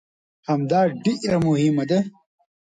همدا ډېره مهمه ده.